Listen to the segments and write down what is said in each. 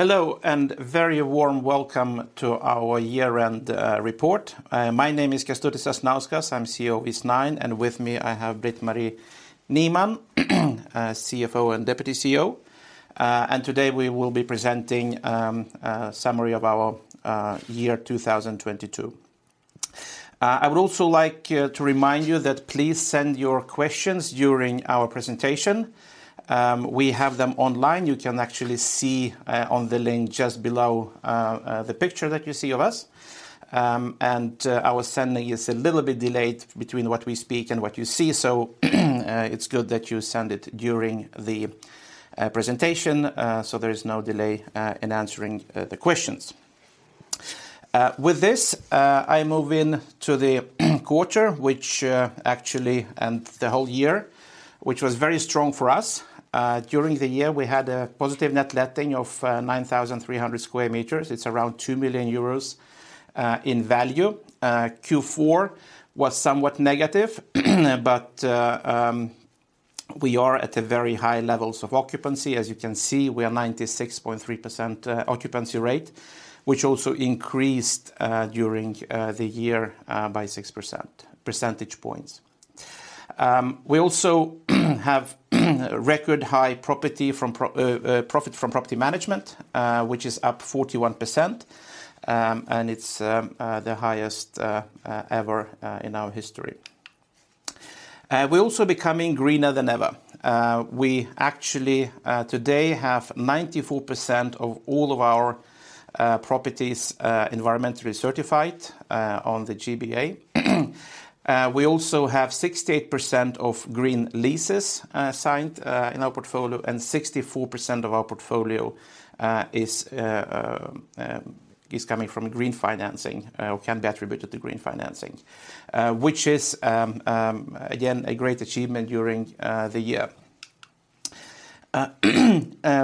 Hello, very warm welcome to our year-end report. My name is Kestutis Sasnauskas. I'm CEO of Eastnine, and with me I have Britt-Marie Nyman, CFO and Deputy CEO. Today we will be presenting a summary of our year 2022. I would also like to remind you that please send your questions during our presentation. We have them online. You can actually see on the link just below the picture that you see of us. Our sending is a little bit delayed between what we speak and what you see. It's good that you send it during the presentation, so there is no delay in answering the questions. With this, I move in to the quarter, which actually. The whole year, which was very strong for us. During the year, we had a positive net letting of 9,300 square meters. It's around 2 million euros in value. Q4 was somewhat negative, but we are at very high levels of occupancy. As you can see, we are 96.3% occupancy rate, which also increased during the year by six percentage points. We also have record high profit from property management, which is up 41%. It's the highest ever in our history. We're also becoming greener than ever. We actually today have 94% of all of our properties environmentally certified on the GBA. We also have 68% of green leases signed in our portfolio, and 64% of our portfolio is coming from green financing, or can be attributed to green financing. Which is again, a great achievement during the year.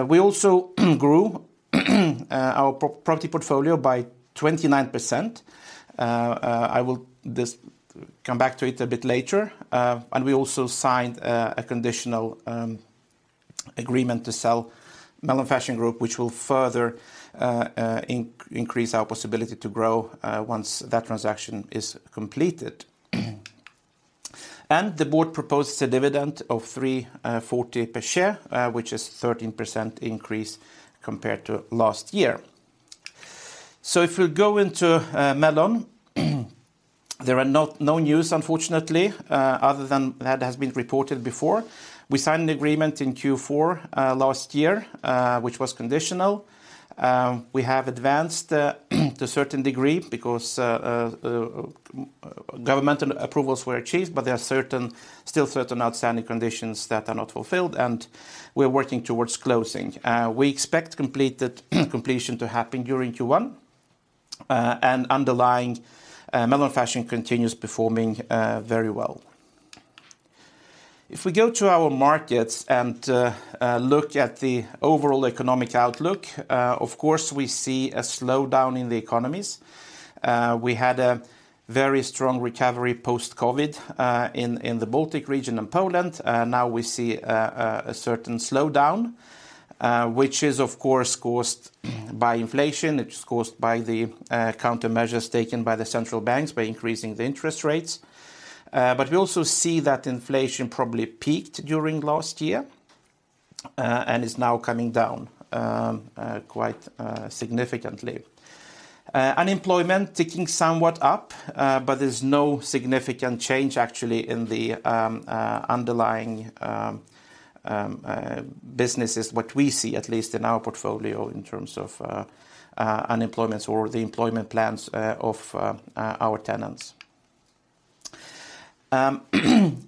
We also grew our pro-property portfolio by 29%. I will just come back to it a bit later. We also signed a conditional agreement to sell Melon Fashion Group, which will further increase our possibility to grow once that transaction is completed. The board proposes a dividend of 3.40 per share, which is 13% increase compared to last year. If we go into Melon, there are no news, unfortunately, other than that has been reported before. We signed an agreement in Q4 last year, which was conditional. We have advanced to a certain degree because governmental approvals were achieved, but there are still certain outstanding conditions that are not fulfilled. We are working towards closing. We expect completion to happen during Q1. Underlying, Melon Fashion continues performing very well. If we go to our markets and look at the overall economic outlook, of course, we see a slowdown in the economies. We had a very strong recovery post-COVID in the Baltic region and Poland. Now we see a certain slowdown, which is, of course, caused by inflation. It's caused by the countermeasures taken by the central banks by increasing the interest rates. We also see that inflation probably peaked during last year, and is now coming down quite significantly. Unemployment ticking somewhat up, but there's no significant change actually in the underlying businesses, what we see at least in our portfolio in terms of employments or the employment plans of our tenants.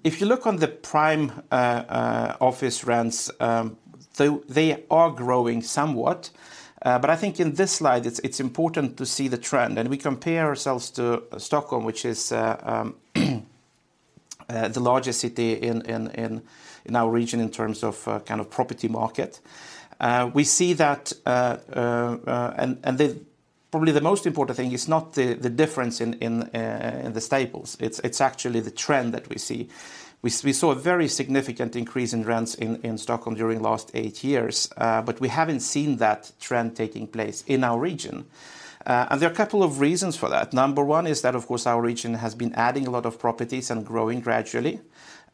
If you look on the prime office rents, they are growing somewhat, but I think in this slide, it's important to see the trend. We compare ourselves to Stockholm, which is the largest city in our region in terms of kind of property market. We see that, The. Probably the most important thing is not the difference in the staples. It's actually the trend that we see. We saw a very significant increase in rents in Stockholm during last 8 years, but we haven't seen that trend taking place in our region. There are a couple of reasons for that. Number one is that, of course, our region has been adding a lot of properties and growing gradually.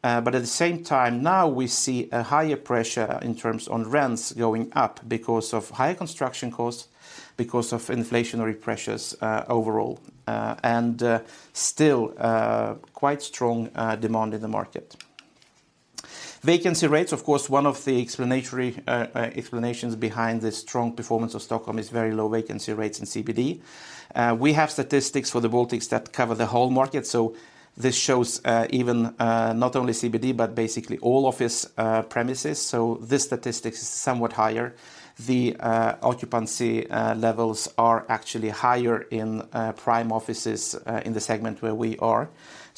At the same time, now we see a higher pressure in terms on rents going up because of higher construction costs, because of inflationary pressures, overall, and still quite strong demand in the market. Vacancy rates, of course, one of the explanatory explanations behind the strong performance of Stockholm is very low vacancy rates in CBD. We have statistics for the Baltics that cover the whole market. This shows, even, not only CBD, but basically all office premises. This statistic is somewhat higher. The occupancy levels are actually higher in prime offices in the segment where we are.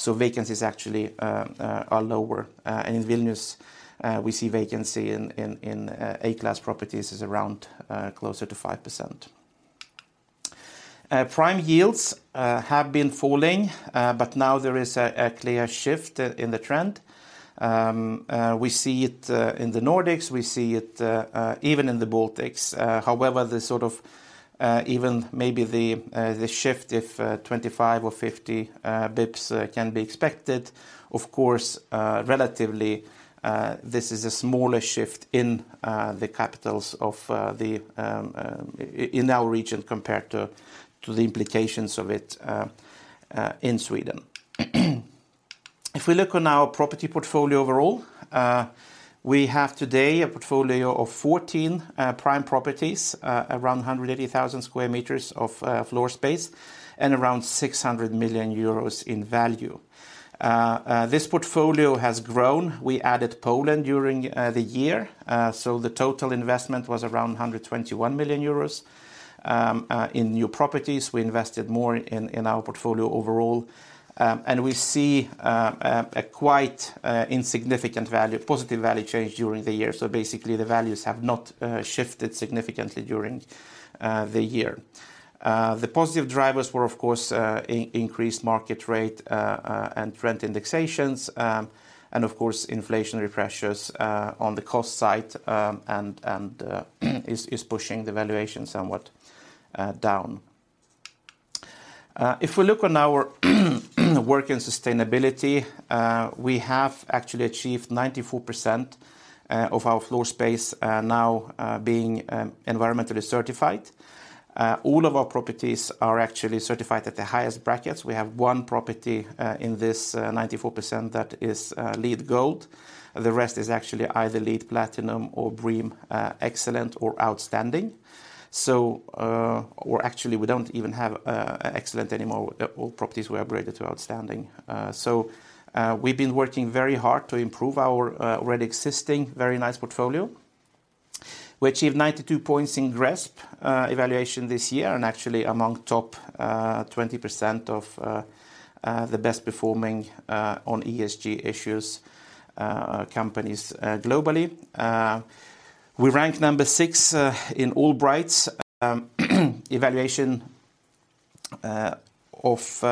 Vacancies actually are lower. In Vilnius, we see vacancy in, in A class properties is around closer to 5%. Prime yields have been falling, but now there is a clear shift in the trend. We see it in the Nordics, we see it even in the Baltics. However, the sort of even maybe the shift if 25 or 50 bips can be expected. Of course, relatively, this is a smaller shift in the capitals of the in our region compared to the implications of it in Sweden. If we look on our property portfolio overall, we have today a portfolio of 14 prime properties, around 180,000 square meters of floor space, and around 600 million euros in value. This portfolio has grown. We added Poland during the year. The total investment was around 121 million euros in new properties. We invested more in our portfolio overall. We see a quite insignificant value, positive value change during the year. Basically the values have not shifted significantly during the year. The positive drivers were of course, increased market rate, and rent indexations, and of course inflationary pressures on the cost side, is pushing the valuation somewhat down. If we look on our work and sustainability, we have actually achieved 94% of our floor space now being environmentally certified. All of our properties are actually certified at the highest brackets. We have 1 property in this 94% that is LEED Gold. The rest is actually either LEED Platinum or BREEAM Excellent or Outstanding. Or actually we don't even have Excellent anymore. All properties were upgraded to Outstanding. We've been working very hard to improve our already existing very nice portfolio. We achieved 92 points in GRESB evaluation this year, and actually among top 20% of the best performing on ESG issues companies globally. We ranked number 6 in Allbright's evaluation of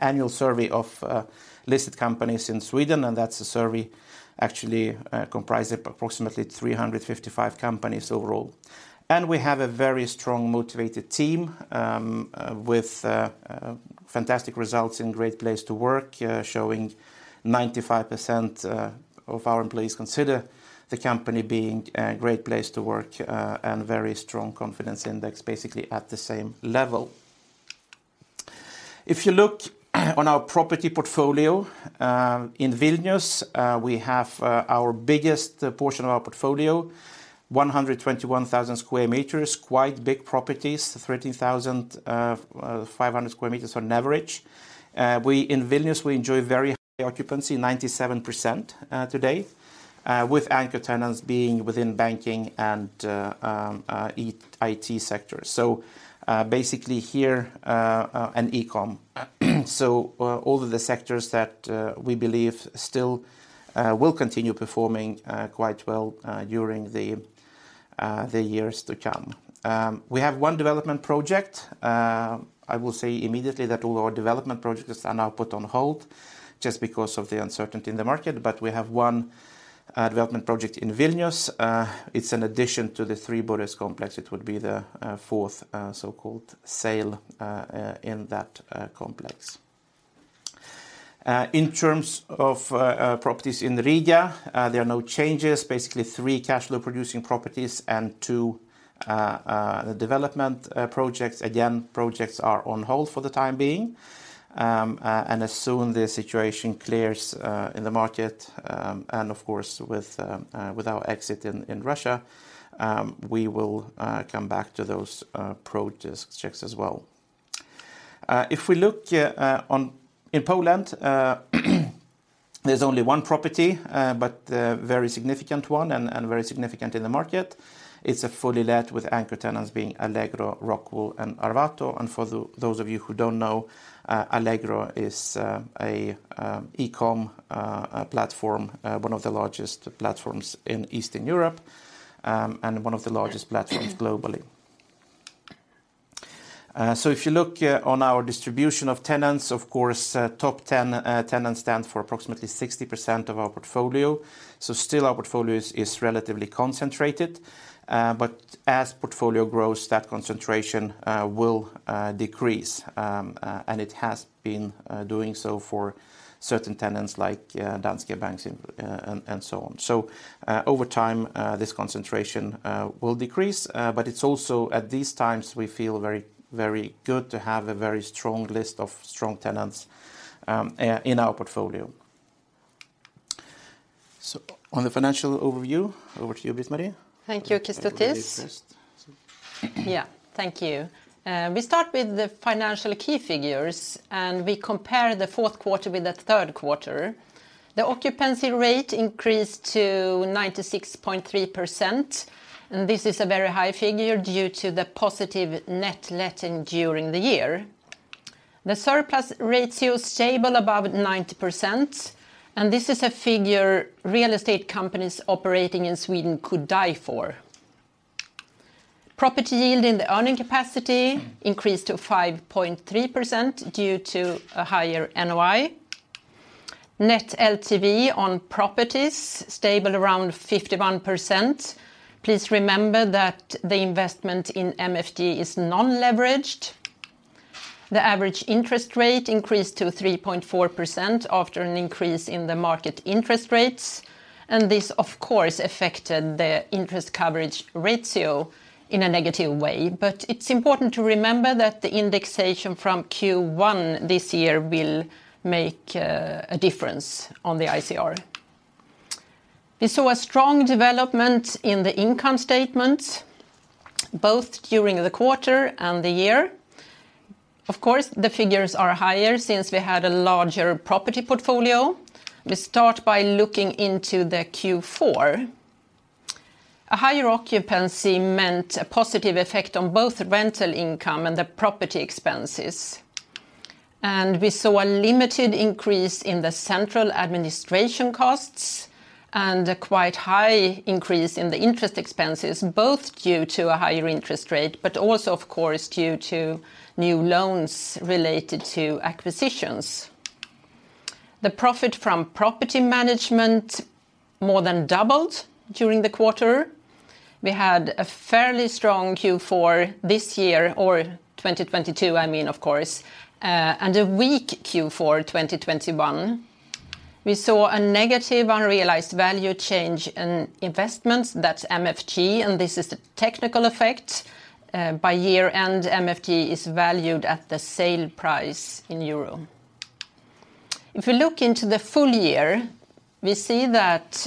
annual survey of listed companies in Sweden, that's a survey actually comprised of approximately 355 companies overall. We have a very strong motivated team with fantastic results and great place to work, showing 95% of our employees consider the company being a great place to work, and very strong confidence index, basically at the same level. If you look on our property portfolio, in Vilnius, we have our biggest portion of our portfolio, 121,000 square meters, quite big properties, 13,500 square meters on average. In Vilnius, we enjoy very high occupancy, 97% today, with anchor tenants being within banking and IT sectors. Basically here, and e-com. All of the sectors that we believe still will continue performing quite well during the years to come. We have 1 development project. I will say immediately that all our development projects are now put on hold just because of the uncertainty in the market. We have 1 development project in Vilnius. It's an addition to the 3Bures complex. It would be the fourth so-called sail in that complex. In terms of properties in Riga, there are no changes. Basically three cash flow producing properties and two development projects. Again, projects are on hold for the time being. As soon the situation clears in the market, and of course with our exit in Russia, we will come back to those projects checks as well. If we look on. In Poland, there's only one property, but a very significant one and very significant in the market. It's fully let with anchor tenants being Allegro, ROCKWOOL, and Arvato. For those of you who don't know, Allegro is a e-com platform, one of the largest platforms in Eastern Europe, and one of the largest platforms globally. So if you look on our distribution of tenants, of course, top 10 tenants stand for approximately 60% of our portfolio. Still our portfolio is relatively concentrated. But as portfolio grows, that concentration will decrease. And it has been doing so for certain tenants like Danske Bank and so on. Over time, this concentration will decrease. But it's also at these times we feel very, very good to have a very strong list of strong tenants in our portfolio. On the financial overview, over to you, Bisma. Thank you, Kestutis. Thank you. Yeah. Thank you. We start with the financial key figures, we compare the fourth quarter with the third quarter. The occupancy rate increased to 96.3%. This is a very high figure due to the positive net letting during the year. The surplus ratio stable above 90%. This is a figure real estate companies operating in Sweden could die for. Property yield in the earning capacity increased to 5.3% due to a higher NOI. Net LTV on properties stable around 51%. Please remember that the investment in MFG is non-leveraged. The average interest rate increased to 3.4% after an increase in the market interest rates. This, of course, affected the interest coverage ratio in a negative way. It's important to remember that the indexation from Q1 this year will make a difference on the ICR. We saw a strong development in the income statements both during the quarter and the year. Of course, the figures are higher since we had a larger property portfolio. We start by looking into the Q4. A higher occupancy meant a positive effect on both rental income and the property expenses. We saw a limited increase in the central administration costs and a quite high increase in the interest expenses, both due to a higher interest rate but also, of course, due to new loans related to acquisitions. The profit from property management more than doubled during the quarter. We had a fairly strong Q4 this year, or 2022, I mean, of course, and a weak Q4 2021. We saw a negative unrealized value change in investments. That's MFG. This is the technical effect. By year-end, MFG is valued at the sale price in euro. If you look into the full year, we see that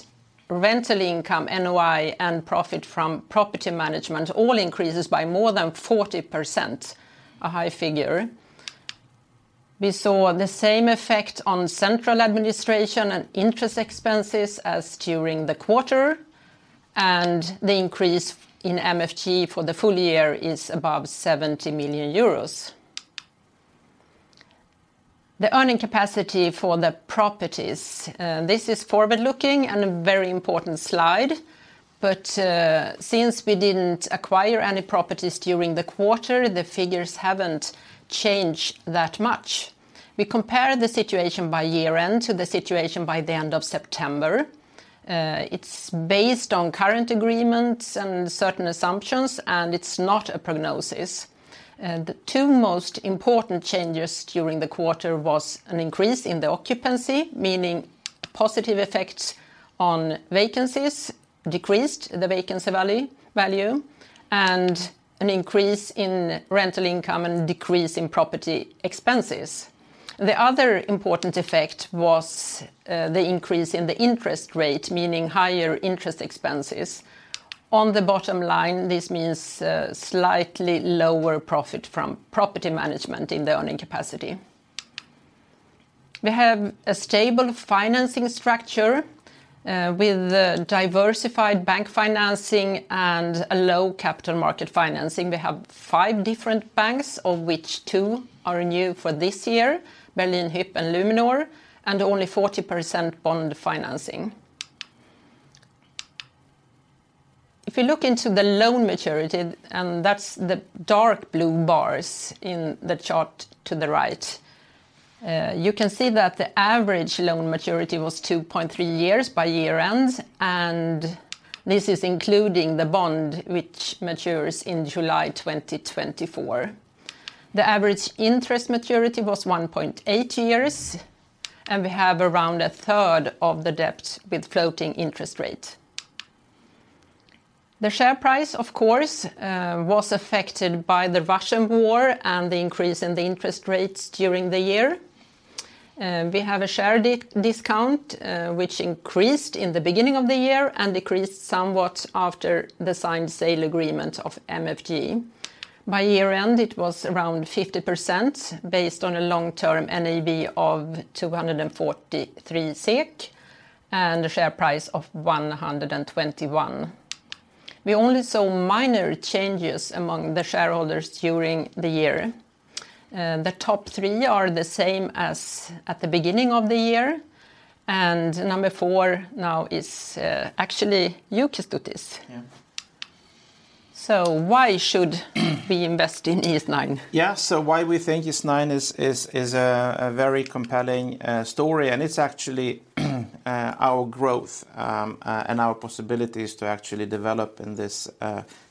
rental income, NOI, and profit from property management all increases by more than 40%, a high figure. We saw the same effect on central administration and interest expenses as during the quarter, and the increase in MFG for the full year is above 70 million euros. The earning capacity for the properties, this is forward-looking and a very important slide. Since we didn't acquire any properties during the quarter, the figures haven't changed that much. We compare the situation by year-end to the situation by the end of September. It's based on current agreements and certain assumptions, and it's not a prognosis. The two most important changes during the quarter was an increase in the occupancy, meaning positive effects on vacancies, decreased the vacancy value, and an increase in rental income and decrease in property expenses. The other important effect was the increase in the interest rate, meaning higher interest expenses. On the bottom line, this means slightly lower profit from property management in the earning capacity. We have a stable financing structure, with a diversified bank financing and a low capital market financing. We have five different banks, of which two are new for this year, Berlin Hyp and Luminor, and only 40% bond financing. If you look into the loan maturity, and that's the dark blue bars in the chart to the right, you can see that the average loan maturity was 2.3 years by year-end, and this is including the bond which matures in July 2024. The average interest maturity was 1.8 years, and we have around a third of the debt with floating interest rate. The share price, of course, was affected by the Russian war and the increase in the interest rates during the year. We have a share discount, which increased in the beginning of the year and decreased somewhat after the signed sale agreement of MFG. By year-end, it was around 50% based on a long-term NAV of 243 SEK and a share price of 121 SEK. We only saw minor changes among the shareholders during the year. The top three are the same as at the beginning of the year, and number 4 now is actually Kestutis Sasnauskas. Yeah. Why should we invest in Eastnine? Why we think IS9 is a very compelling story, and it's actually our growth and our possibilities to actually develop in this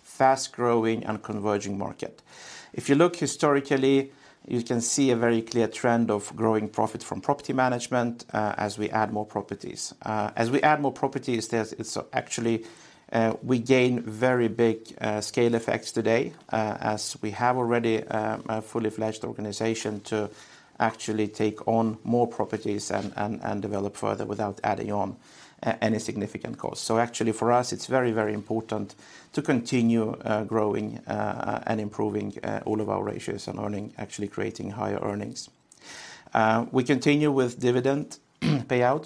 fast-growing and converging market. If you look historically, you can see a very clear trend of growing profit from property management as we add more properties. As we add more properties, it's actually we gain very big scale effects today as we have already a fully fledged organization to actually take on more properties and develop further without adding on any significant cost. Actually for us, it's very, very important to continue growing and improving all of our ratios and actually creating higher earnings. We continue with dividend payouts.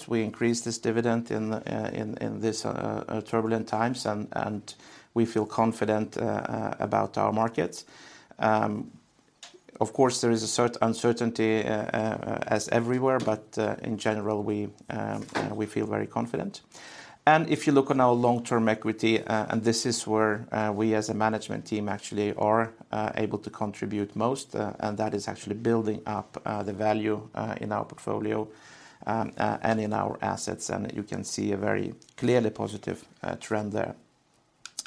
We increase this dividend in this turbulent times, and we feel confident about our markets. Of course, there is uncertainty as everywhere, but in general, we feel very confident. If you look on our long-term equity, and this is where we as a management team actually are able to contribute most, and that is actually building up the value in our portfolio and in our assets, and you can see a very clearly positive trend there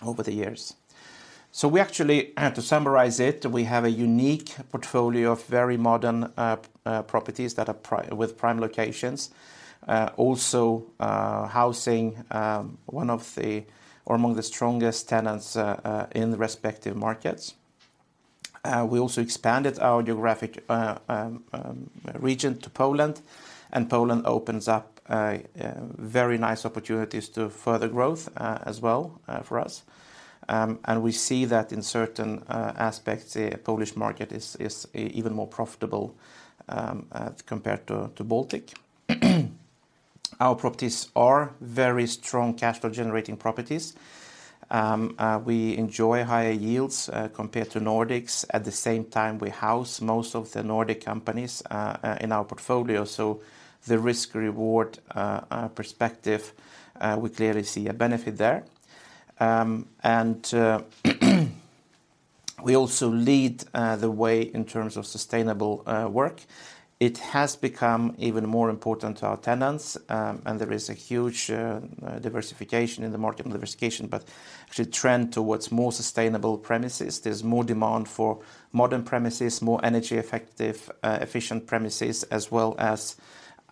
over the years. We actually to summarize it, we have a unique portfolio of very modern properties that are with prime locations. Housing one of the, or among the strongest tenants in the respective markets. We also expanded our geographic region to Poland. Poland opens up very nice opportunities to further growth as well for us. We see that in certain aspects, the Polish market is even more profitable compared to Baltic. Our properties are very strong cash flow-generating properties. We enjoy higher yields compared to Nordics. At the same time, we house most of the Nordic companies in our portfolio, so the risk/reward perspective, we clearly see a benefit there. We also lead the way in terms of sustainable work. It has become even more important to our tenants. There is a huge diversification in the market. Diversification, but actually trend towards more sustainable premises. There's more demand for modern premises, more energy effective, efficient premises as well as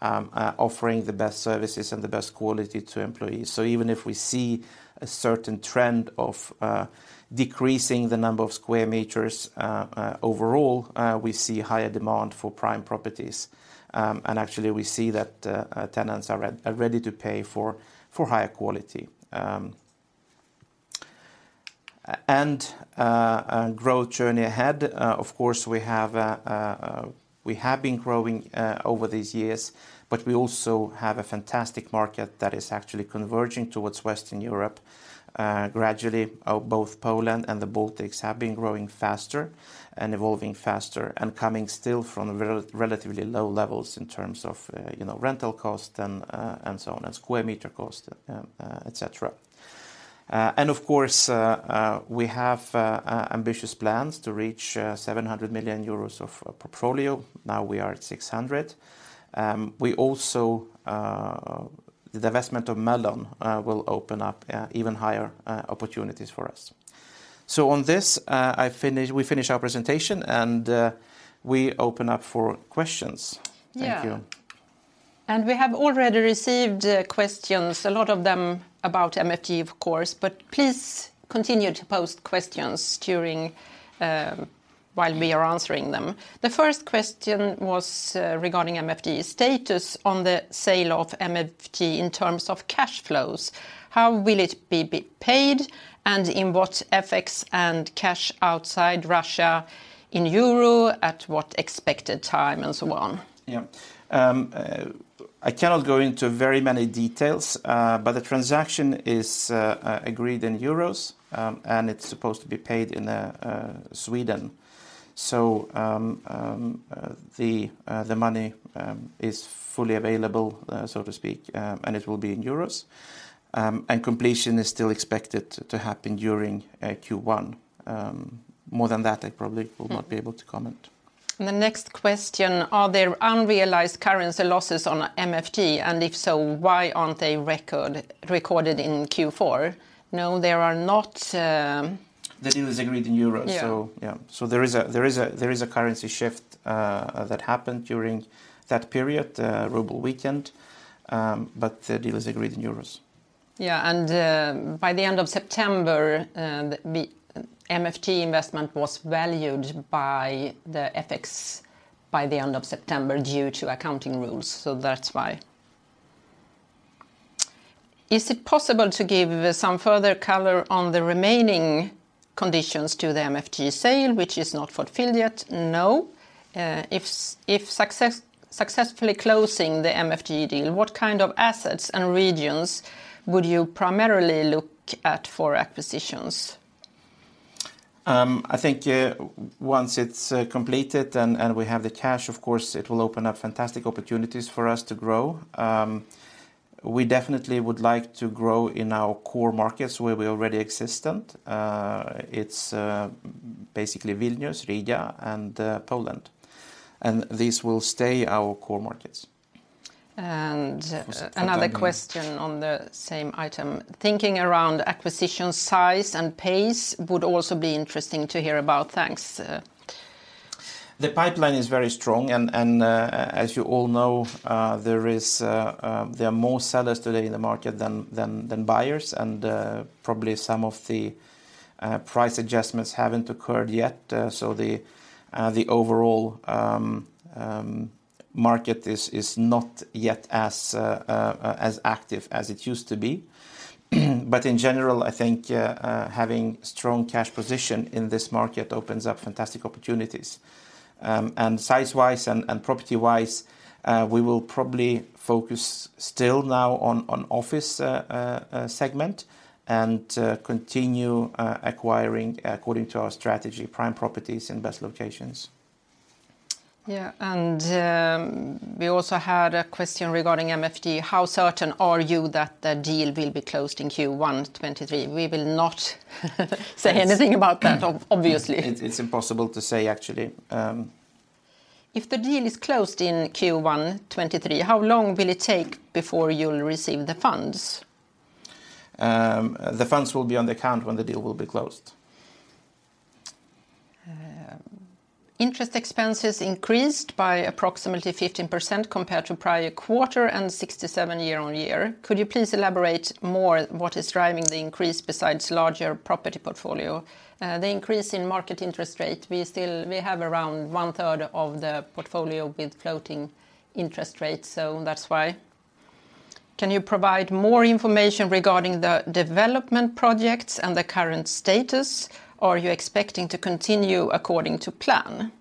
offering the best services and the best quality to employees. Even if we see a certain trend of decreasing the number of square meters overall, we see higher demand for prime properties. Actually we see that tenants are ready to pay for higher quality. A growth journey ahead. Of course, we have, we have been growing over these years, but we also have a fantastic market that is actually converging towards Western Europe. Gradually, both Poland and the Baltics have been growing faster and evolving faster and coming still from relatively low levels in terms of, you know, rental cost and so on, and square meter cost, et cetera. And of course, we have ambitious plans to reach 700 million euros of portfolio. Now we are at 600. We also, the divestment of Melon Fashion Group, will open up even higher opportunities for us. So on this, I finish, we finish our presentation, and we open up for questions. Yeah. Thank you. We have already received questions, a lot of them about MFG, of course, but please continue to pose questions during while we are answering them. The first question was regarding MFG status on the sale of MFG in terms of cash flows. How will it be paid, and in what FX and cash outside Russia in euros, at what expected time, and so on? Yeah. I cannot go into very many details. The transaction is agreed in euros and it's supposed to be paid in Sweden. The money is fully available, so to speak, and it will be in euros. Completion is still expected to happen during Q1. More than that, I probably will not be able to comment. The next question, are there unrealized currency losses on MFG? If so, why aren't they recorded in Q4? No, there are not. The deal is agreed in euros. Yeah. Yeah. There is a currency shift that happened during that period. Ruble weakened, but the deal is agreed in euros. Yeah, by the end of September, the MFG investment was valued by the FX by the end of September due to accounting rules, that's why. Is it possible to give some further color on the remaining conditions to the MFG sale which is not fulfilled yet? No. If successfully closing the MFG deal, what kind of assets and regions would you primarily look at for acquisitions? I think once it's completed and we have the cash, of course it will open up fantastic opportunities for us to grow. We definitely would like to grow in our core markets where we already existent. It's basically Vilnius, Riga, and Poland. These will stay our core markets. Another question on the same item. Thinking around acquisition size and pace would also be interesting to hear about. Thanks. The pipeline is very strong, and as you all know, there are more sellers today in the market than buyers. Probably some of the price adjustments haven't occurred yet. The overall Market is not yet as active as it used to be. In general, I think, having strong cash position in this market opens up fantastic opportunities. Size-wise and property-wise, we will probably focus still now on office segment and continue acquiring according to our strategy prime properties in best locations. Yeah, we also had a question regarding MFG. How certain are you that the deal will be closed in Q1 '23? We will not say anything about that obviously. It's, it's impossible to say, actually. If the deal is closed in Q1 2023, how long will it take before you'll receive the funds? The funds will be on the account when the deal will be closed. Interest expenses increased by approximately 15% compared to prior quarter and 67 year-on-year. Could you please elaborate more what is driving the increase besides larger property portfolio? The increase in market interest rate. We have around one third of the portfolio with floating interest rates, that's why. Can you provide more information regarding the development projects and the current status? Are you expecting to continue according to plan?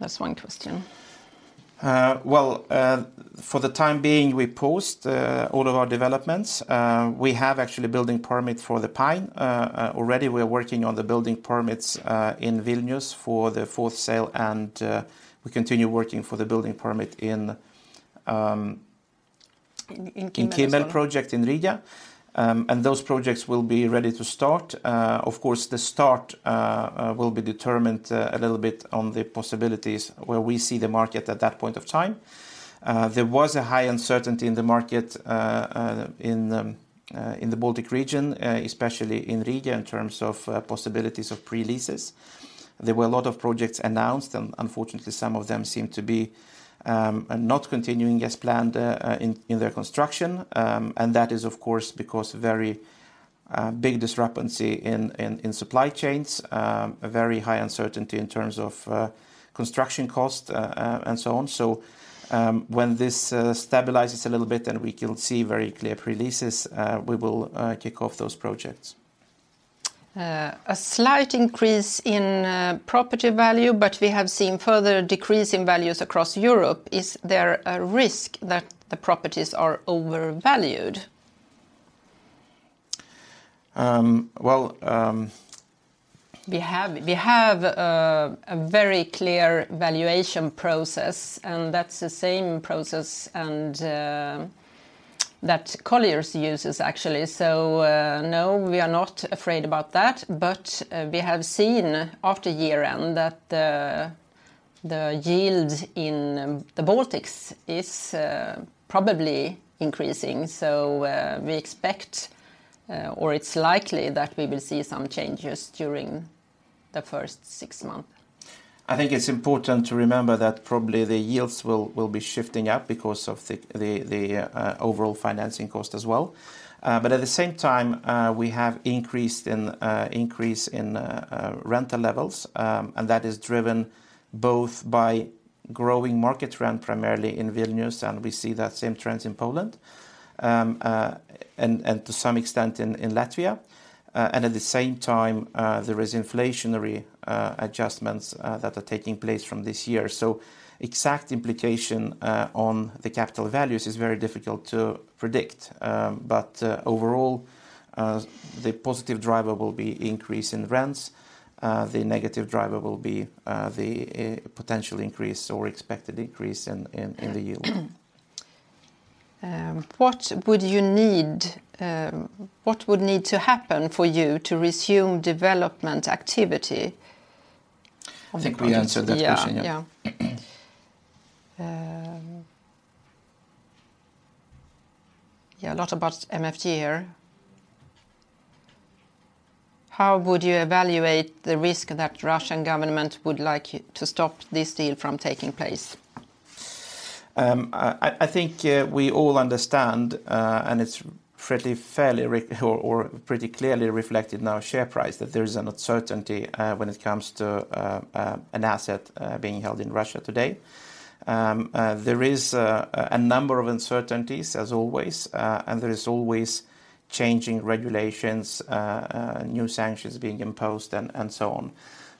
That's one question. Well, for the time being, we post all of our developments. We have actually building permit for The Pine. Already we are working on the building permits in Vilnius for the fourth sale, and we continue working for the building permit in- In Kimel. in Kimel project in Riga. Those projects will be ready to start. Of course, the start will be determined a little bit on the possibilities where we see the market at that point of time. There was a high uncertainty in the market in the Baltic region, especially in Riga in terms of possibilities of pre-leases. There were a lot of projects announced, and unfortunately, some of them seem to be not continuing as planned in their construction. That is of course because very big discrepancy in supply chains, a very high uncertainty in terms of construction cost, and so on. When this stabilizes a little bit and we can see very clear pre-leases, we will kick off those projects. A slight increase in property value, but we have seen further decrease in values across Europe. Is there a risk that the properties are overvalued? Well. We have a very clear valuation process, and that's the same process and that Colliers uses actually. No, we are not afraid about that. We have seen after year end that the yield in the Baltics is probably increasing. We expect or it's likely that we will see some changes during the first six months. I think it's important to remember that probably the yields will be shifting up because of the overall financing cost as well. At the same time, we have increased in rental levels. That is driven both by growing market trend, primarily in Vilnius, and we see that same trends in Poland, and to some extent in Latvia. At the same time, there is inflationary adjustments that are taking place from this year. Exact implication on the capital values is very difficult to predict. Overall, the positive driver will be increase in rents. The negative driver will be the potential increase or expected increase in the yield. What would you need, what would need to happen for you to resume development activity of the projects? I think we answered that question. Yeah, yeah. Yeah, a lot about MFG here. How would you evaluate the risk that Russian government would like to stop this deal from taking place? I think, we all understand, and it's fairly, pretty clearly reflected in our share price that there is an uncertainty when it comes to an asset being held in Russia today. There is a number of uncertainties as always, and there is always changing regulations, new sanctions being imposed and so on.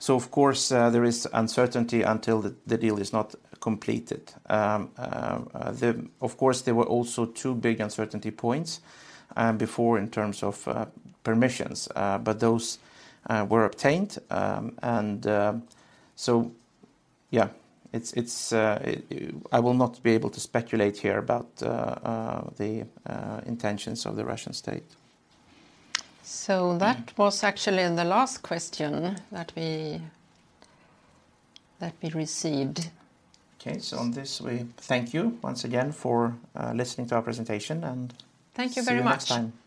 Of course, there is uncertainty until the deal is not completed. Of course, there were also two big uncertainty points before in terms of permissions. Those were obtained. Yeah, it's, I will not be able to speculate here about the intentions of the Russian State. That was actually the last question that we received. Okay. On this we thank you once again for listening to our presentation. Thank you very much. see you next time.